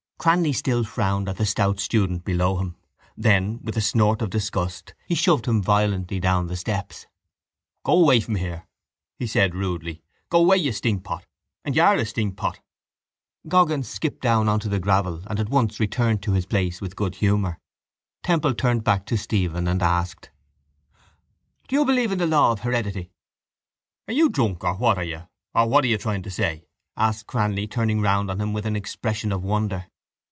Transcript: Cranly still frowned at the stout student below him. Then, with a snort of disgust, he shoved him violently down the steps. —Go away from here, he said rudely. Go away, you stinkpot. And you are a stinkpot. Goggins skipped down on to the gravel and at once returned to his place with good humour. Temple turned back to Stephen and asked: —Do you believe in the law of heredity? —Are you drunk or what are you or what are you trying to say? asked Cranly, facing round on him with an expression of wonder.